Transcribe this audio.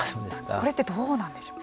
これってどうなんでしょう。